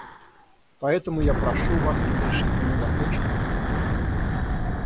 Поэтому я прошу Вас разрешить мне закончить выступление.